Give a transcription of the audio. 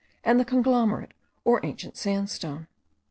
and the conglomerate or ancient sandstone.